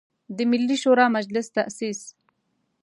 د ملي شوری مجلس تاسیس.